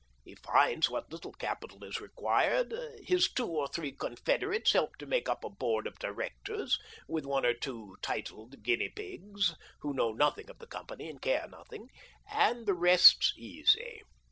He finds what little capital is required ; his two or three confederates help to make up a board of directors, with one or two titled guinea pigs, who know nothing of the company and care nothing, and the rest's easy.